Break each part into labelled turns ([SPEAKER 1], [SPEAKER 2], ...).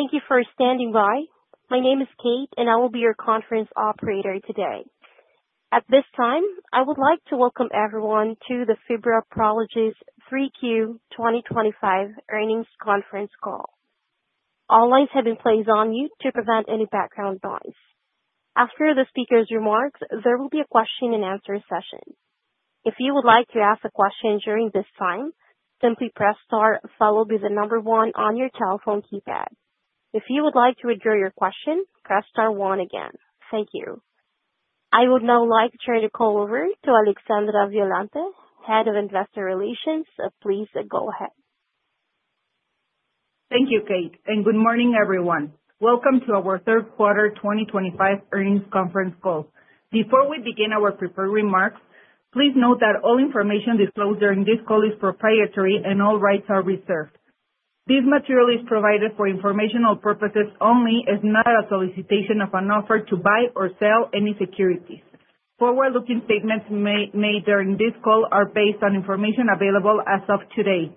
[SPEAKER 1] Thank you for standing by. My name is Kate, and I will be your conference operator today. At this time, I would like to welcome everyone to the FIBRA Prologis 3Q 2025 earnings conference call. All lines have been placed on mute to prevent any background noise. After the speaker's remarks, there will be a question-and-answer session. If you would like to ask a question during this time, simply press star followed by the number one on your telephone keypad. If you would like to withdraw your question, press star one again. Thank you. I would now like to turn the call over to Alexandra Violante, Head of Investor Relations, please go ahead.
[SPEAKER 2] Thank you, Kate, and good morning, everyone. Welcome to our Third-Quarter 2025 earnings conference call. Before we begin our prepared remarks, please note that all information disclosed during this call is proprietary and all rights are reserved. This material is provided for informational purposes only and is not a solicitation of an offer to buy or sell any securities. Forward-looking statements made during this call are based on information available as of today.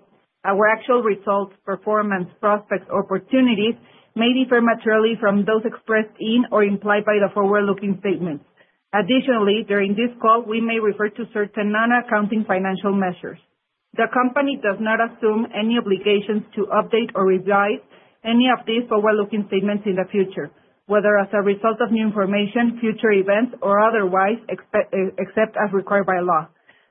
[SPEAKER 2] Our actual results, performance, prospects, opportunities may differ materially from those expressed in or implied by the forward-looking statements. Additionally, during this call, we may refer to certain non-accounting financial measures. The company does not assume any obligations to update or revise any of these forward-looking statements in the future, whether as a result of new information, future events, or otherwise, except as required by law.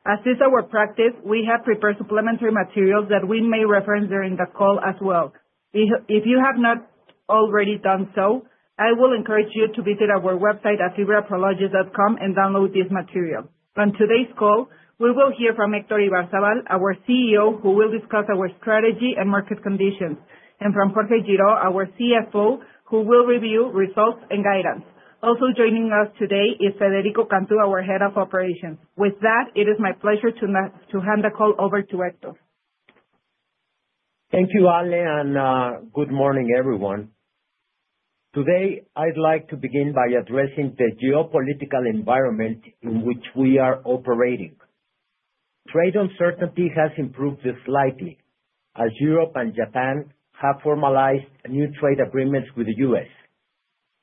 [SPEAKER 2] As is our practice, we have prepared supplementary materials that we may reference during the call as well. If you have not already done so, I will encourage you to visit our website at FIBRAPrologis.com and download this material. On today's call, we will hear from Héctor Ibarzábal, our CEO, who will discuss our strategy and market conditions, and from Jorge Girault, our CFO, who will review results and guidance. Also joining us today is Federico Cantú, our Head of Operations. With that, it is my pleasure to hand the call over to Héctor.
[SPEAKER 3] Thank you, Ale, and good morning, everyone. Today, I'd like to begin by addressing the geopolitical environment in which we are operating. Trade uncertainty has improved slightly as Europe and Japan have formalized new trade agreements with the U.S.,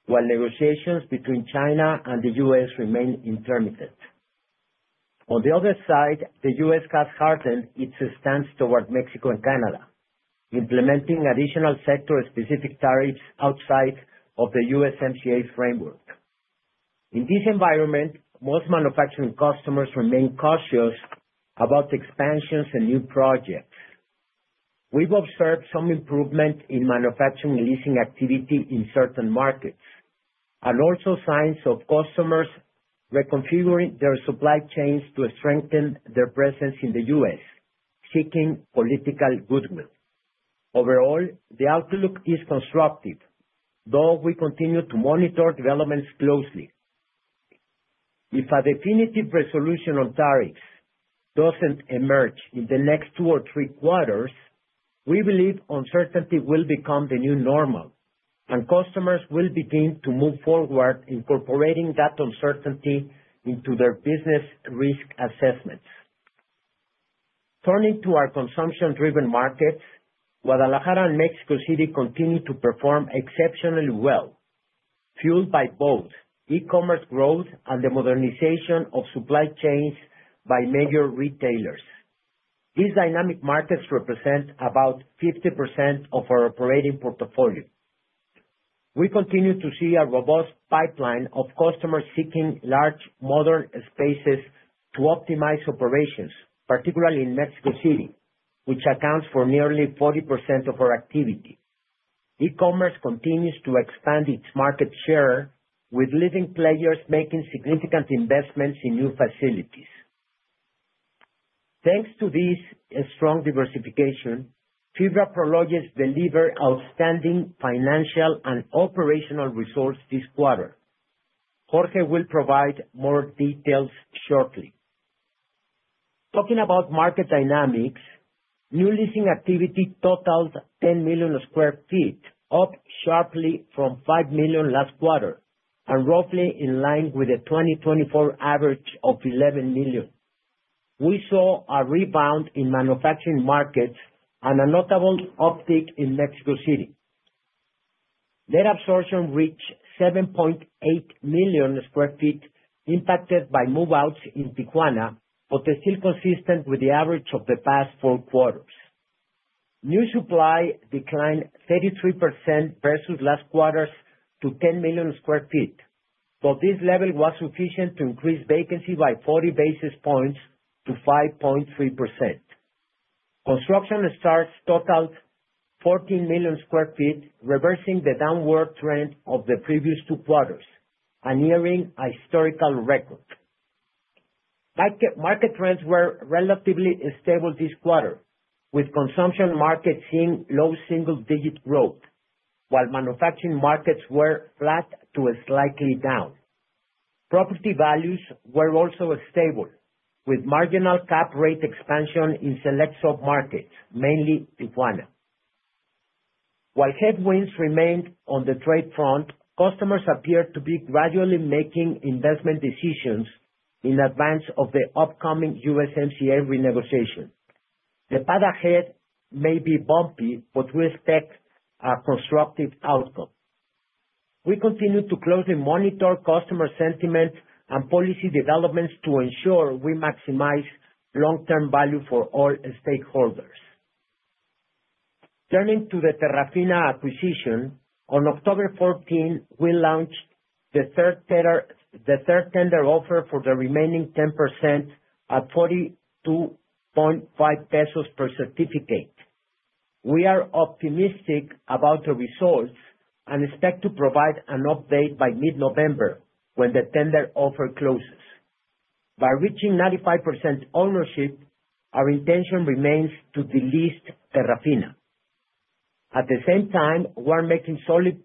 [SPEAKER 3] while negotiations between China and the U.S. remain intermittent. On the other side, the U.S. has hardened its stance toward Mexico and Canada, implementing additional sector-specific tariffs outside of the USMCA framework. In this environment, most manufacturing customers remain cautious about expansions and new projects. We've observed some improvement in manufacturing leasing activity in certain markets and also signs of customers reconfiguring their supply chains to strengthen their presence in the U.S., seeking political goodwill. Overall, the outlook is constructive, though we continue to monitor developments closely. If a definitive resolution on tariffs doesn't emerge in the next two or three quarters, we believe uncertainty will become the new normal, and customers will begin to move forward incorporating that uncertainty into their business risk assessments. Turning to our consumption-driven markets, Guadalajara and Mexico City continue to perform exceptionally well, fueled by both e-commerce growth and the modernization of supply chains by major retailers. These dynamic markets represent about 50% of our operating portfolio. We continue to see a robust pipeline of customers seeking large, modern spaces to optimize operations, particularly in Mexico City, which accounts for nearly 40% of our activity. E-commerce continues to expand its market share, with leading players making significant investments in new facilities. Thanks to this strong diversification, FIBRA Prologis delivered outstanding financial and operational results this quarter. Jorge will provide more details shortly. Talking about market dynamics, new leasing activity totaled 10 million sq ft, up sharply from 5 million sq ft last quarter and roughly in line with the 2024 average of 11 million sq ft. We saw a rebound in manufacturing markets and a notable uptick in Mexico City. Net absorption reached 7.8 million sq ft, impacted by move-outs in Tijuana, but still consistent with the average of the past four quarters. New supply declined 33% versus last quarter's to 10 million sq ft, though this level was sufficient to increase vacancy by 40 basis points to 5.3%. Construction starts totaled 14 million sq ft, reversing the downward trend of the previous two quarters, nearing a historical record. Market trends were relatively stable this quarter, with consumption markets seeing low single-digit growth, while manufacturing markets were flat to slightly down. Property values were also stable, with marginal cap rate expansion in select sub-markets, mainly Tijuana. While headwinds remained on the trade front, customers appeared to be gradually making investment decisions in advance of the upcoming USMCA renegotiation. The path ahead may be bumpy, but we expect a constructive outcome. We continue to closely monitor customer sentiment and policy developments to ensure we maximize long-term value for all stakeholders. Turning to the Terrafina acquisition, on October 14, we launched the third tender offer for the remaining 10% at 42.5 pesos per certificate. We are optimistic about the results and expect to provide an update by mid-November when the tender offer closes. By reaching 95% ownership, our intention remains to delist Terrafina. At the same time, we are making solid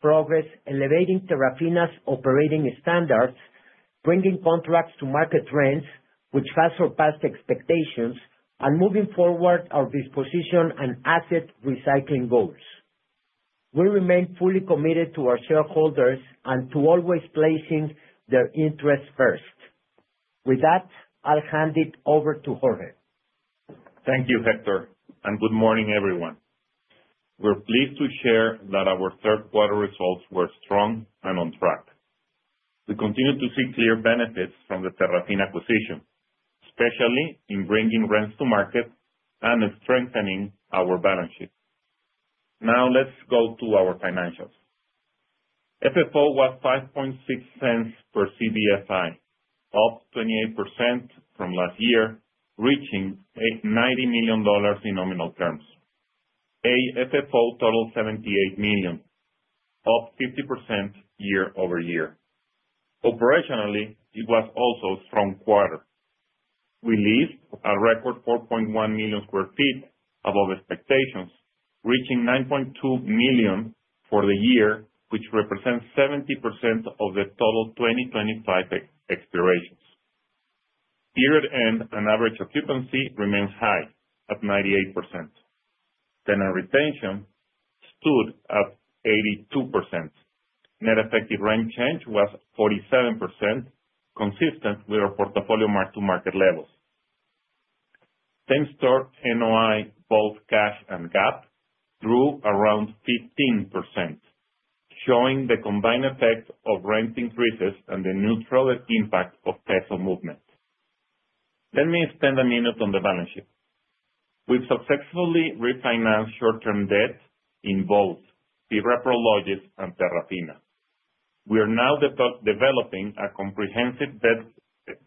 [SPEAKER 3] progress elevating Terrafina's operating standards, bringing contracts to market trends which have surpassed expectations, and moving forward our disposition and asset recycling goals. We remain fully committed to our shareholders and to always placing their interests first. With that, I'll hand it over to Jorge.
[SPEAKER 4] Thank you, Héctor, and good morning, everyone. We're pleased to share that our third-quarter results were strong and on track. We continue to see clear benefits from the Terrafina acquisition, especially in bringing rents to market and strengthening our balance sheet. Now, let's go to our financials. FFO was $0.056 per CBFI, up 28% from last year, reaching $90 million in nominal terms. AFFO totaled $78 million, up 50% year over year. Operationally, it was also a strong quarter. We leased a record 4.1 million sq ft above expectations, reaching 9.2 million for the year, which represents 70% of the total 2025 expirations. Period end and average occupancy remained high at 98%. Tenant retention stood at 82%. Net effective rent change was 47%, consistent with our portfolio mark-to-market levels. Same-store NOI, both cash and GAAP, grew around 15%, showing the combined effect of rent increases and the neutral impact of peso movement. Let me spend a minute on the balance sheet. We've successfully refinanced short-term debt in both FIBRA Prologis and Terrafina. We are now developing a comprehensive debt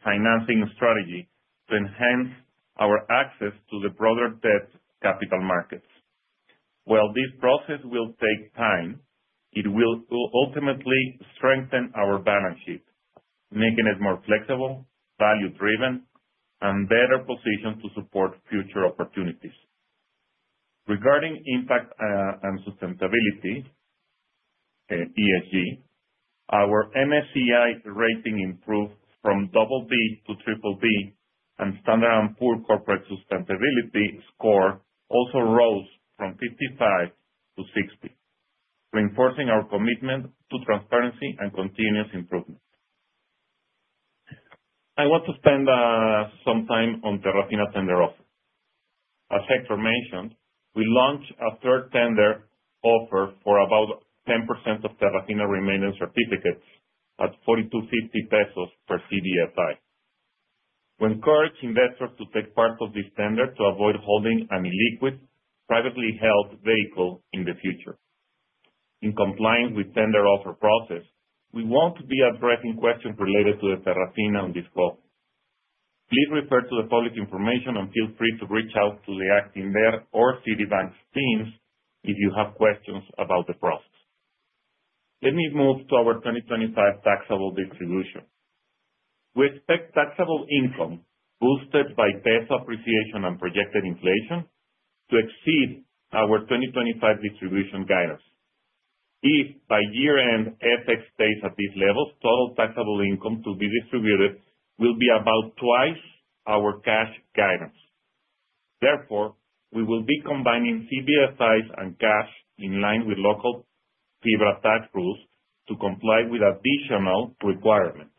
[SPEAKER 4] financing strategy to enhance our access to the broader debt capital markets. While this process will take time, it will ultimately strengthen our balance sheet, making it more flexible, value-driven, and better positioned to support future opportunities. Regarding impact and sustainability, ESG, our MSCI rating improved from BB to BBB, and Standard and Poor's Corporate Sustainability Score also rose from 55-60, reinforcing our commitment to transparency and continuous improvement. I want to spend some time on Terrafina tender offer. As Héctor mentioned, we launched a third tender offer for about 10% of Terrafina remaining certificates at 42.50 pesos per CBFI, encouraging investors to take part of this tender to avoid holding an illiquid privately held vehicle in the future. In compliance with the tender offer process, we won't be addressing questions related to the Terrafina on this call. Please refer to the public information and feel free to reach out to the acting manager or Citibank's teams if you have questions about the process. Let me move to our 2025 taxable distribution. We expect taxable income boosted by peso appreciation and projected inflation to exceed our 2025 distribution guidance. If by year-end FX stays at these levels, total taxable income to be distributed will be about twice our cash guidance. Therefore, we will be combining CBFIs and cash in line with local FIBRA tax rules to comply with additional requirements.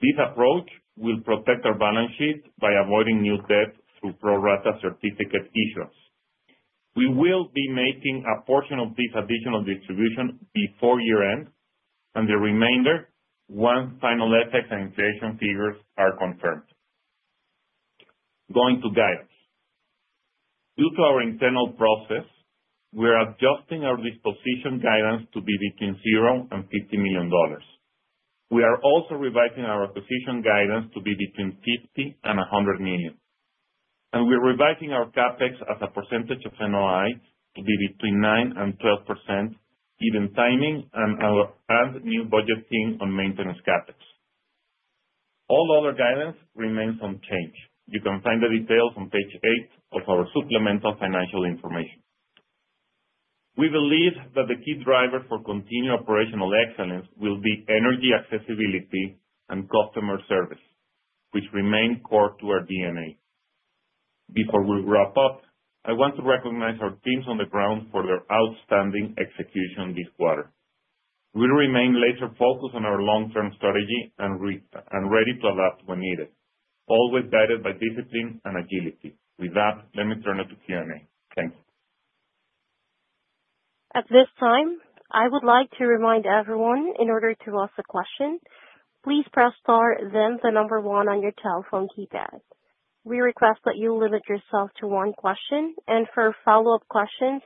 [SPEAKER 4] This approach will protect our balance sheet by avoiding new debt through pro-rata certificate issuance. We will be making a portion of this additional distribution before year-end and the remainder once final FX and inflation figures are confirmed. Going to guidance. Due to our internal process, we are adjusting our disposition guidance to be between $0 and $50 million. We are also revising our acquisition guidance to be between $50 million and $100 million, and we're revising our CapEx as a percentage of NOI to be between 9%-12%, given timing and new budgeting on maintenance CapEx. All other guidance remains unchanged. You can find the details on page eight of our supplemental financial information. We believe that the key driver for continued operational excellence will be energy accessibility and customer service, which remain core to our DNA. Before we wrap up, I want to recognize our teams on the ground for their outstanding execution this quarter. We remain laser-focused on our long-term strategy and ready to adapt when needed, always guided by discipline and agility. With that, let me turn it to Q&A. Thank you.
[SPEAKER 1] At this time, I would like to remind everyone, in order to ask a question, please press star, then the number one on your telephone keypad. We request that you limit yourself to one question, and for follow-up questions,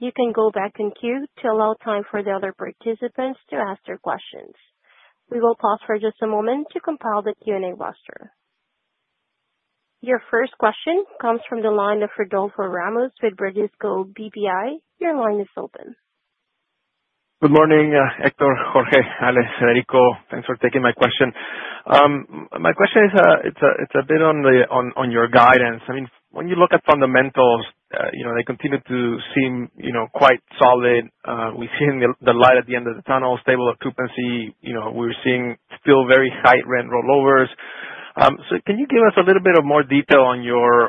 [SPEAKER 1] you can go back in queue to allow time for the other participants to ask their questions. We will pause for just a moment to compile the Q&A roster. Your first question comes from the line of Rodolfo Ramos with Bradesco BBI. Your line is open.
[SPEAKER 5] Good morning, Héctor, Jorge, Ale, Federico. Thanks for taking my question. My question is a bit on your guidance. I mean, when you look at fundamentals, they continue to seem quite solid. We're seeing the light at the end of the tunnel, stable occupancy. We're seeing still very high rent rollovers. So can you give us a little bit of more detail on your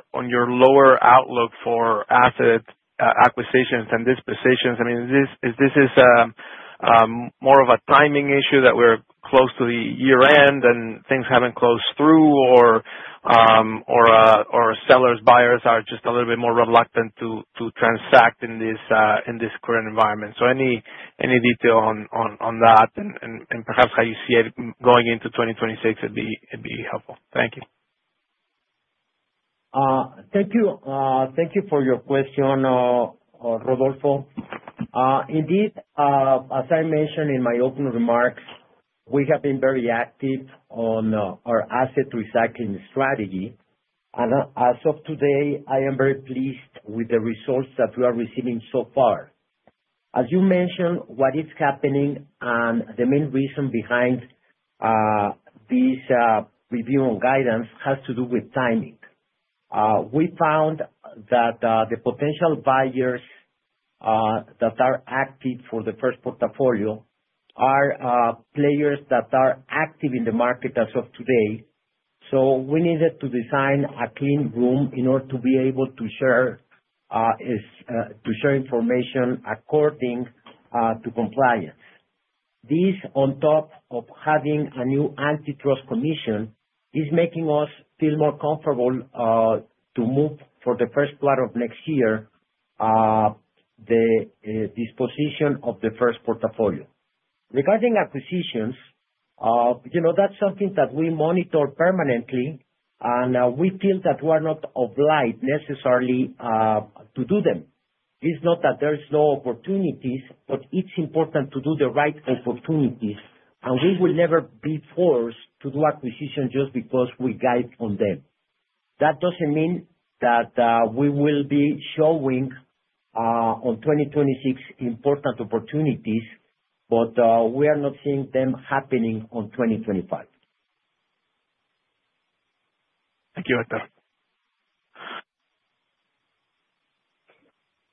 [SPEAKER 5] lower outlook for asset acquisitions and dispositions? I mean, is this more of a timing issue that we're close to the year-end and things haven't closed through, or sellers, buyers are just a little bit more reluctant to transact in this current environment? So any detail on that and perhaps how you see it going into 2026 would be helpful. Thank you.
[SPEAKER 3] Thank you for your question, Rodolfo. Indeed, as I mentioned in my opening remarks, we have been very active on our asset recycling strategy, and as of today, I am very pleased with the results that we are receiving so far. As you mentioned, what is happening and the main reason behind this review on guidance has to do with timing. We found that the potential buyers that are active for the first portfolio are players that are active in the market as of today, so we needed to design a clean room in order to be able to share information according to compliance. This, on top of having a new antitrust commission, is making us feel more comfortable to move for the first quarter of next year the disposition of the first portfolio. Regarding acquisitions, that's something that we monitor permanently, and we feel that we are not obliged necessarily to do them. It's not that there are no opportunities, but it's important to do the right opportunities, and we will never be forced to do acquisitions just because we guide on them. That doesn't mean that we will be showing on 2026 important opportunities, but we are not seeing them happening on 2025.
[SPEAKER 5] Thank you, Héctor.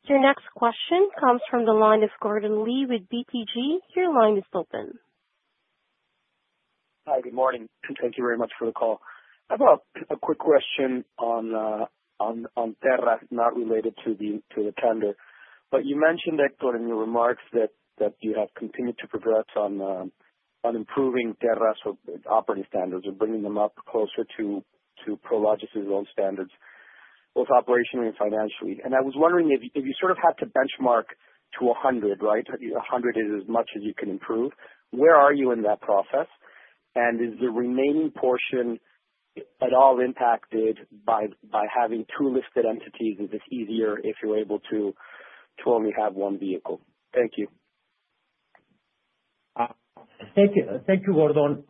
[SPEAKER 1] Your next question comes from the line of Gordon Lee with BTG. Your line is open.
[SPEAKER 6] Hi. Good morning. Thank you very much for the call. I have a quick question on Terrafina, not related to the tender, but you mentioned, Héctor, in your remarks that you have continued to progress on improving Terrafina's operating standards or bringing them up closer to Prologis' own standards both operationally and financially. I was wondering if you sort of had to benchmark to 100, right? 100 is as much as you can improve. Where are you in that process, and is the remaining portion at all impacted by having two listed entities? Is this easier if you're able to only have one vehicle? Thank you.
[SPEAKER 3] Thank you, Gordon.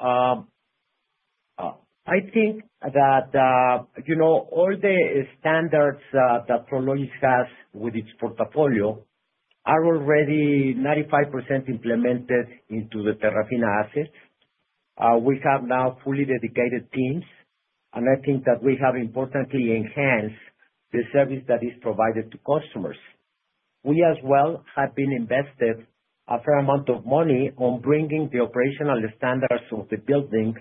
[SPEAKER 3] I think that all the standards that Prologis has with its portfolio are already 95% implemented into the Terrafina assets. We have now fully dedicated teams, and I think that we have importantly enhanced the service that is provided to customers. We as well have been invested a fair amount of money on bringing the operational standards of the building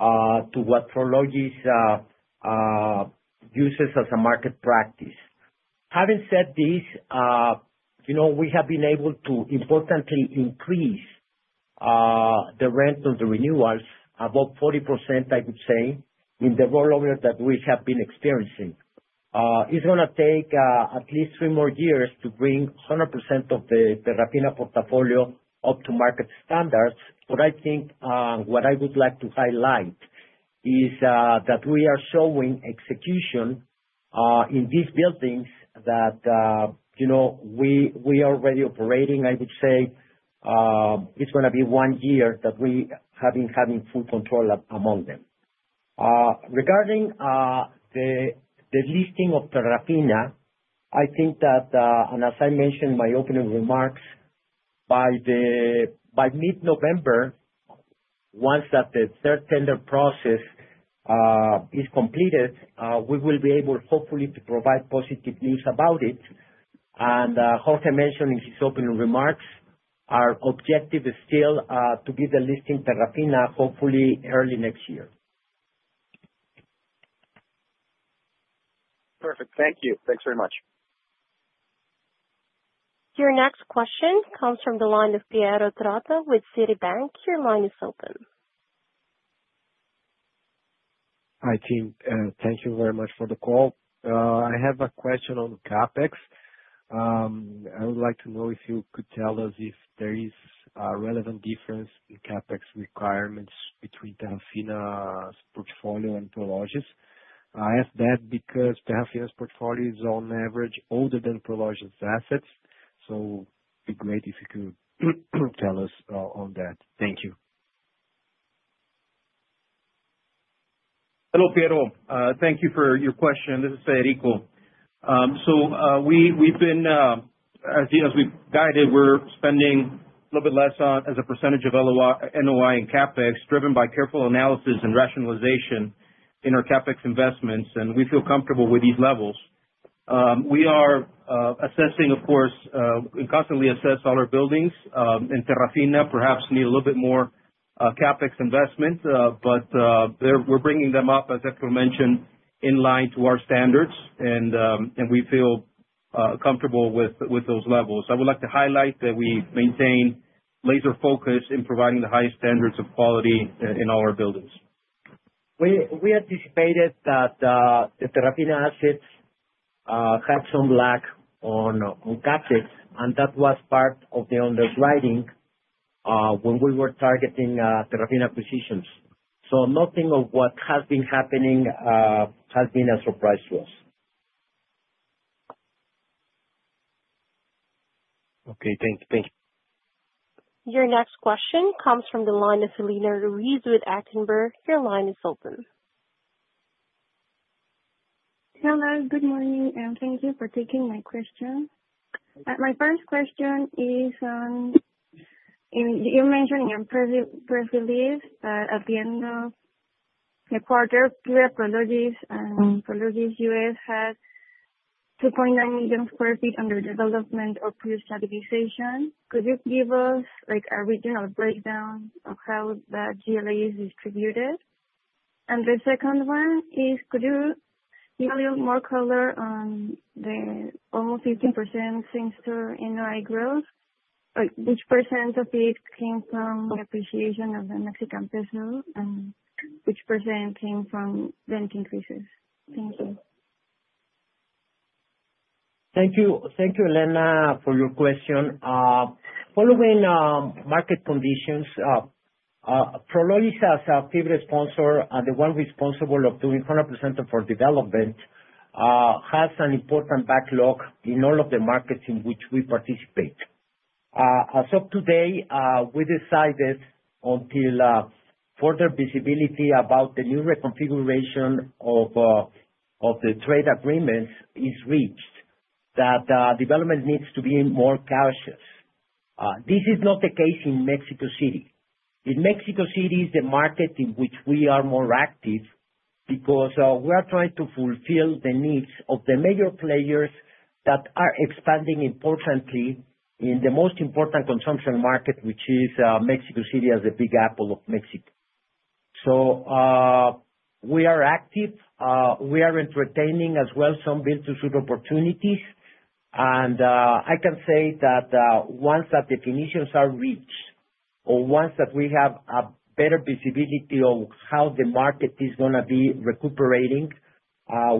[SPEAKER 3] to what Prologis uses as a market practice. Having said this, we have been able to importantly increase the rent on the renewals about 40%, I would say, in the rollover that we have been experiencing. It's going to take at least three more years to bring 100% of the Terrafina portfolio up to market standards, but I think what I would like to highlight is that we are showing execution in these buildings that we are already operating. I would say it's going to be one year that we have been having full control among them. Regarding the listing of Terrafina, I think that, and as I mentioned in my opening remarks, by mid-November, once that the third tender process is completed, we will be able, hopefully, to provide positive news about it. Jorge mentioned in his opening remarks, our objective is still to delisting Terrafina hopefully early next year.
[SPEAKER 6] Perfect. Thank you. Thanks very much.
[SPEAKER 1] Your next question comes from the line of Piero Trotta with Citi. Your line is open.
[SPEAKER 7] Hi, team. Thank you very much for the call. I have a question on CapEx. I would like to know if you could tell us if there is a relevant difference in CapEx requirements between Terrafina's portfolio and Prologis. I ask that because Terrafina's portfolio is, on average, older than Prologis' assets, so it'd be great if you could tell us on that. Thank you.
[SPEAKER 8] Hello, Piero. Thank you for your question. This is Federico. So we've been, as we've guided, we're spending a little bit less as a percentage of NOI and CapEx driven by careful analysis and rationalization in our CapEx investments, and we feel comfortable with these levels. We are assessing, of course, and constantly assess all our buildings in Terrafina. Perhaps need a little bit more CapEx investment, but we're bringing them up, as Héctor mentioned, in line to our standards, and we feel comfortable with those levels. I would like to highlight that we maintain laser focus in providing the highest standards of quality in all our buildings.
[SPEAKER 3] We anticipated that the Terrafina assets had some lack on Capex, and that was part of the underwriting when we were targeting Terrafina acquisitions. Nothing of what has been happening has been a surprise to us.
[SPEAKER 7] Okay. Thank you.
[SPEAKER 1] Your next question comes from the line of Elena Ruiz with Actinver. Your line is open.
[SPEAKER 9] Hello. Good morning, and thank you for taking my question. My first question is on, you mentioned in your press release that at the end of the quarter, FIBRA Prologis and Prologis U.S. had 2.9 million sq ft under development or pre-stabilization. Could you give us a regional breakdown of how that GLA is distributed? And the second one is, could you give a little more color on the almost 15% Same Store NOI growth? Which % of it came from the appreciation of the Mexican peso and which % came from rent increases? Thank you.
[SPEAKER 3] Thank you, Elena, for your question. Following market conditions, Prologis as a FIBRA sponsor, the one responsible for doing 100% of our development, has an important backlog in all of the markets in which we participate. As of today, we decided until further visibility about the new reconfiguration of the trade agreements is reached that development needs to be more cautious. This is not the case in Mexico City. In Mexico City is the market in which we are more active because we are trying to fulfill the needs of the major players that are expanding importantly in the most important consumption market, which is Mexico City as the big apple of Mexico. So we are active. We are entertaining as well some build-to-suit opportunities, and I can say that once that definitions are reached or once that we have a better visibility of how the market is going to be recuperating,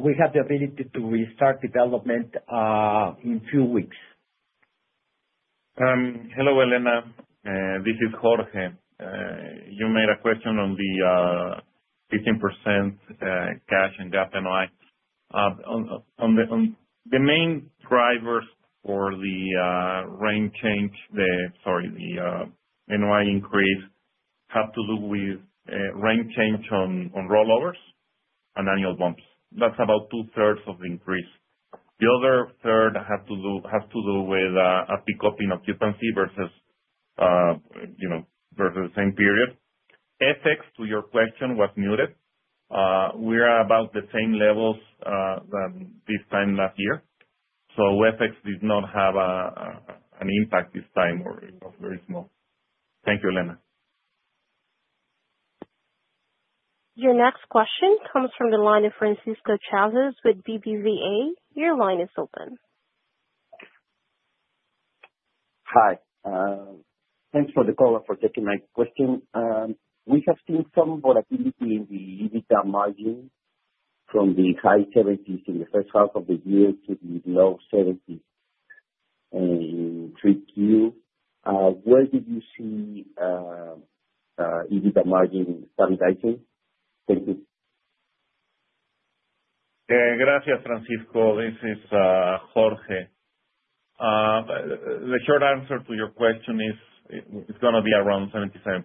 [SPEAKER 3] we have the ability to restart development in a few weeks.
[SPEAKER 4] Hello, Elena. This is Jorge. You made a question on the 15% cash and GAAP NOI. The main drivers for the rent change, sorry, the NOI increase have to do with rent change on rollovers and annual bumps. That's about two-thirds of the increase. The other third has to do with a pickup in occupancy versus the same period. FX, to your question, was muted. We are about the same levels this time last year, so FX did not have an impact this time or very small. Thank you, Elena.
[SPEAKER 1] Your next question comes from the line of Francisco Chávez with BBVA. Your line is open.
[SPEAKER 10] Hi. Thanks for the call and for taking my question. We have seen some volatility in the EBITDA margin from the high 70s% in the first half of the year to the low 70s% in 3Q. Where do you see EBITDA margin stabilizing? Thank you.
[SPEAKER 4] Gracias, Francisco. This is Jorge. The short answer to your question is it's going to be around 77%.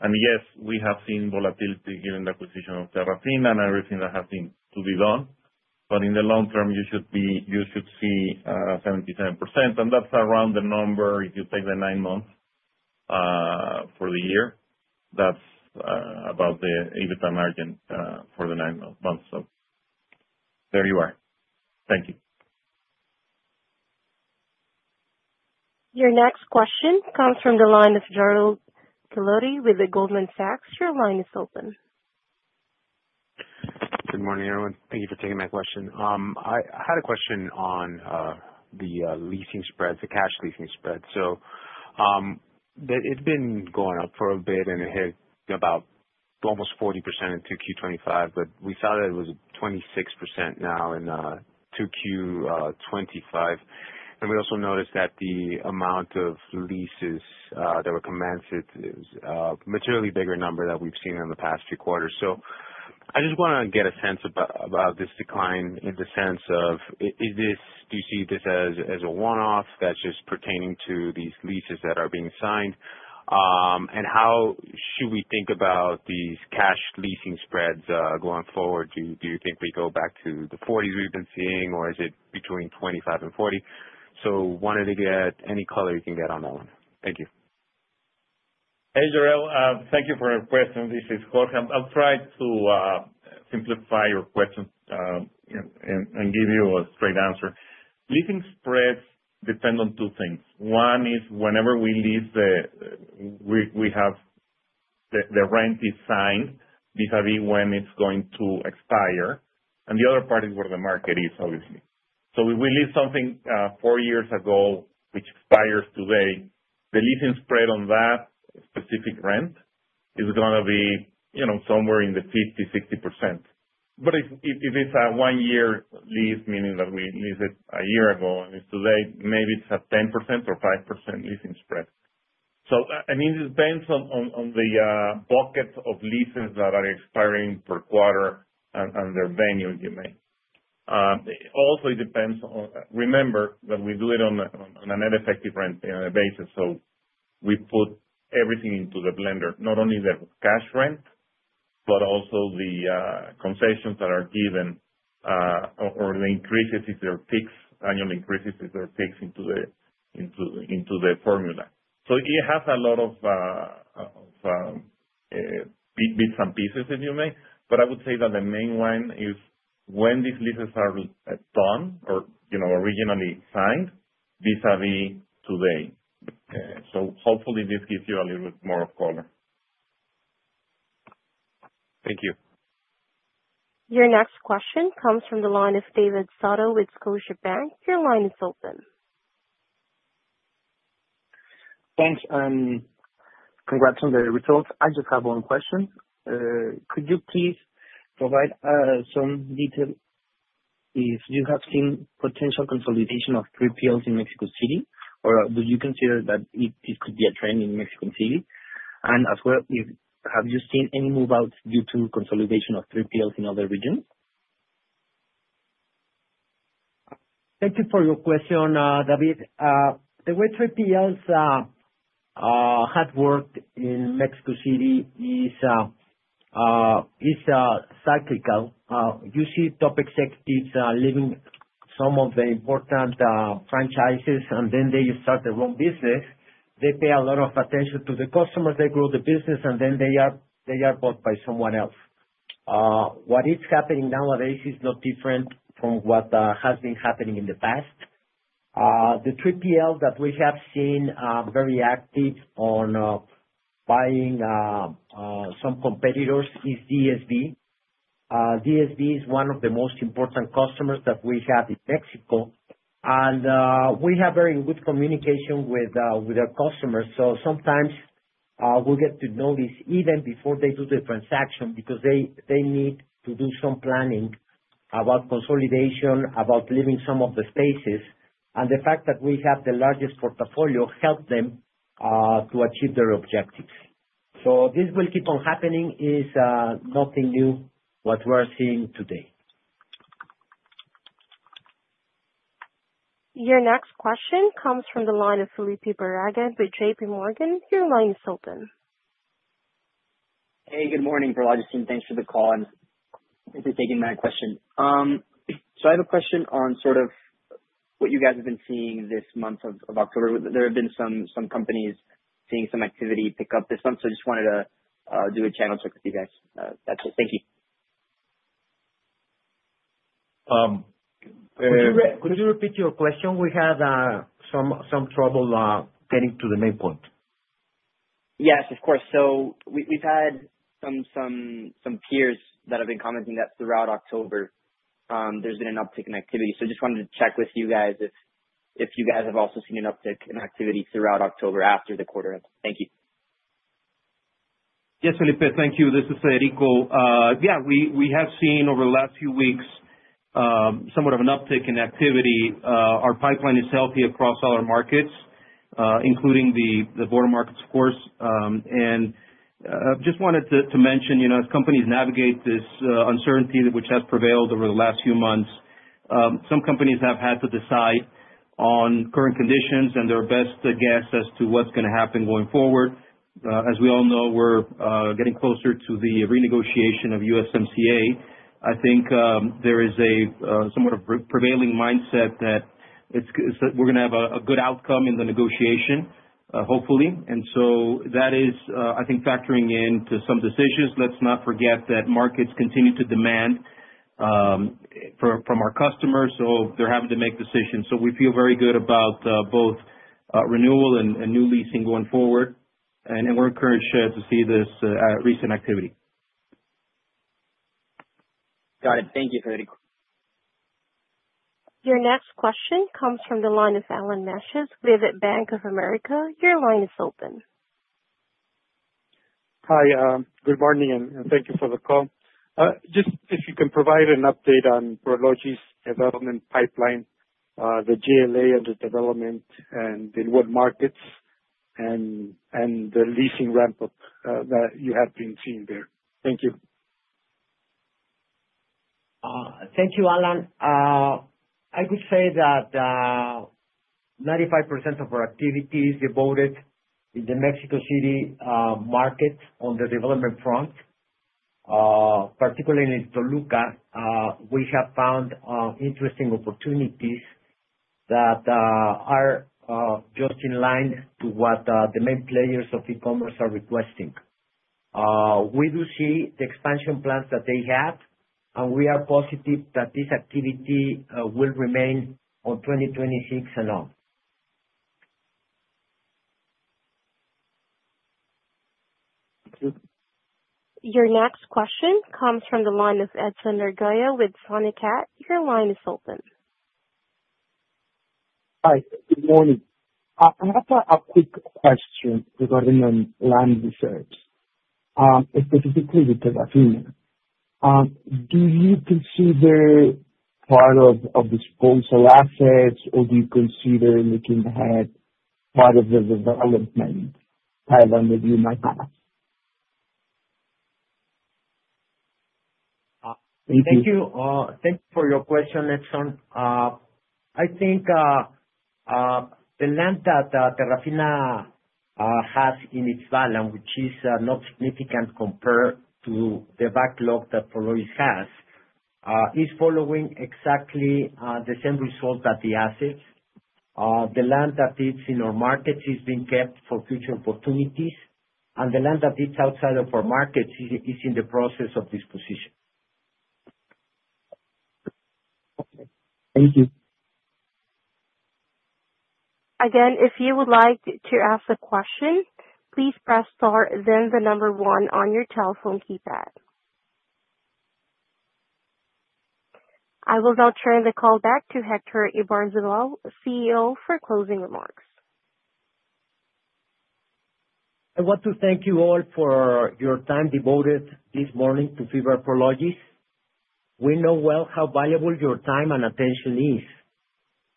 [SPEAKER 4] And yes, we have seen volatility given the acquisition of Terrafina and everything that has been to be done, but in the long term, you should see 77%, and that's around the number if you take the nine months for the year. That's about the EBITDA margin for the nine months, so there you are. Thank you.
[SPEAKER 1] Your next question comes from the line of Jorel Guilloty with Goldman Sachs. Your line is open.
[SPEAKER 11] Good morning, everyone. Thank you for taking my question. I had a question on the leasing spreads, the cash leasing spreads. So it's been going up for a bit, and it hit about almost 40% in 2Q 2025, but we saw that it was 26% now in 2Q 2025. And we also noticed that the amount of leases that were commenced is a materially bigger number that we've seen in the past few quarters. So I just want to get a sense about this decline in the sense of, do you see this as a one-off that's just pertaining to these leases that are being signed, and how should we think about these cash leasing spreads going forward? Do you think we go back to the 40s% we've been seeing, or is it between 25%-40%? So wanted to get any color you can get on that one. Thank you.
[SPEAKER 4] Hey, Jorel. Thank you for your question. This is Jorge. I'll try to simplify your question and give you a straight answer. Leasing spreads depend on two things. One is whenever we lease, we have the rent is signed vis-à-vis when it's going to expire, and the other part is where the market is, obviously. So if we lease something four years ago, which expires today, the leasing spread on that specific rent is going to be somewhere in the 50%-60%. But if it's a one-year lease, meaning that we leased it a year ago and it's today, maybe it's a 10% or 5% leasing spread. So I mean, it depends on the bucket of leases that are expiring per quarter and their venue, you may. Also, it depends on—remember that we do it on a net effective rent basis, so we put everything into the blender, not only the cash rent but also the concessions that are given or the increases if there are fixed annual increases if there are fixed into the formula. So it has a lot of bits and pieces, if you may, but I would say that the main one is when these leases are done or originally signed vis-à-vis today. So hopefully, this gives you a little bit more of color.
[SPEAKER 11] Thank you.
[SPEAKER 1] Your next question comes from the line of David Soto with Scotiabank. Your line is open.
[SPEAKER 12] Thanks and congrats on the results. I just have one question. Could you please provide some detail if you have seen potential consolidation of 3PLs in Mexico City, or do you consider that this could be a trend in Mexico City? As well, have you seen any move-outs due to consolidation of 3PLs in other regions?
[SPEAKER 3] Thank you for your question, David. The way 3PLs have worked in Mexico City is cyclical. You see top executives leaving some of the important franchises, and then they start their own business. They pay a lot of attention to the customers. They grow the business, and then they are bought by someone else. What is happening nowadays is not different from what has been happening in the past. The 3PL that we have seen very active on buying some competitors is DSV. DSV is one of the most important customers that we have in Mexico, and we have very good communication with our customers. So sometimes we get to know this even before they do the transaction because they need to do some planning about consolidation, about leaving some of the spaces, and the fact that we have the largest portfolio helps them to achieve their objectives. So this will keep on happening. It's nothing new what we're seeing today.
[SPEAKER 1] Your next question comes from the line of Felipe Barragán with J.P. Morgan. Your line is open.
[SPEAKER 13] Hey. Good morning, Prologis. And thanks for the call and for taking my question. So I have a question on sort of what you guys have been seeing this month of October. There have been some companies seeing some activity pick up this month, so I just wanted to do a channel check with you guys. That's it. Thank you.
[SPEAKER 3] Could you repeat your question? We had some trouble getting to the main point.
[SPEAKER 13] Yes, of course. So we've had some peers that have been commenting that throughout October, there's been an uptick in activity. So I just wanted to check with you guys if you guys have also seen an uptick in activity throughout October after the quarter end? Thank you.
[SPEAKER 8] Yes, Felipe. Thank you. This is Federico. Yeah, we have seen over the last few weeks somewhat of an uptick in activity. Our pipeline is healthy across all our markets, including the broader markets, of course. And I just wanted to mention, as companies navigate this uncertainty which has prevailed over the last few months, some companies have had to decide on current conditions and their best guess as to what's going to happen going forward. As we all know, we're getting closer to the renegotiation of USMCA. I think there is a somewhat of a prevailing mindset that we're going to have a good outcome in the negotiation, hopefully. And so that is, I think, factoring into some decisions. Let's not forget that markets continue to demand from our customers, so they're having to make decisions. So we feel very good about both renewal and new leasing going forward, and we're encouraged to see this recent activity.
[SPEAKER 13] Got it. Thank you, Federico.
[SPEAKER 1] Your next question comes from the line of Alan Macias with Bank of America. Your line is open.
[SPEAKER 14] Hi. Good morning, and thank you for the call. Just if you can provide an update on Prologis' development pipeline, the GLA under development, and in what markets, and the leasing ramp-up that you have been seeing there? Thank you.
[SPEAKER 3] Thank you, Alan. I could say that 95% of our activity is devoted in the Mexico City market on the development front. Particularly in Toluca, we have found interesting opportunities that are just in line to what the main players of e-commerce are requesting. We do see the expansion plans that they have, and we are positive that this activity will remain on 2026 and on.
[SPEAKER 1] Your next question comes from the line of Edson Murguía with Sumitomo. Your line is open.
[SPEAKER 15] Hi. Good morning. I have a quick question regarding land reserves, specifically with Terrafina. Do you consider part of disposal assets, or do you consider looking ahead part of the development pipeline that you might have? Thank you.
[SPEAKER 3] Thank you. Thank you for your question, Edson. I think the land that Terrafina has in its value, which is not significant compared to the backlog that Prologis has, is following exactly the same results that the assets. The land that it's in our markets is being kept for future opportunities, and the land that it's outside of our markets is in the process of disposition.
[SPEAKER 15] Okay. Thank you.
[SPEAKER 1] Again, if you would like to ask a question, please press star, then the number one on your telephone keypad. I will now turn the call back to Héctor Ibarzábal, CEO, for closing remarks.
[SPEAKER 3] I want to thank you all for your time devoted this morning to FIBRA Prologis. We know well how valuable your time and attention is.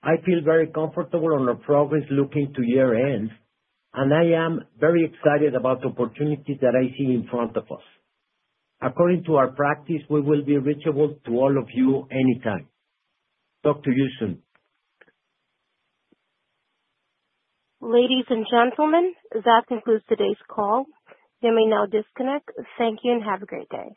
[SPEAKER 3] I feel very comfortable on our progress looking to year-end, and I am very excited about the opportunities that I see in front of us. According to our practice, we will be reachable to all of you anytime. Talk to you soon.
[SPEAKER 1] Ladies and gentlemen, that concludes today's call. You may now disconnect. Thank you and have a great day.